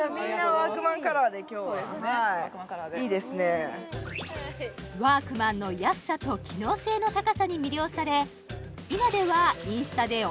ワークマンカラーでいいですねワークマンの安さと機能性の高さに魅了され